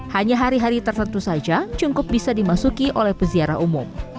hanya hari hari tertentu saja cungkup bisa dimasuki oleh peziarah umum